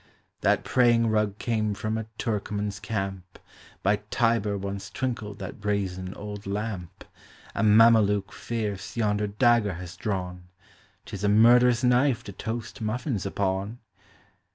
That praying rug came from a Turcoman's camp; By Tiber once twinkled that brazen old lamp; A Mameluke fierce yonder dagger has drawn: 'T is a murderous knife to toast muffins upon.